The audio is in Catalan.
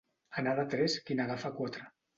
Anar de tres qui n'agafa quatre.